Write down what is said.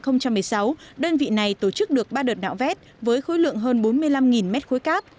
năm hai nghìn một mươi sáu đơn vị này tổ chức được ba đợt nạo vét với khối lượng hơn bốn mươi năm mét khối cát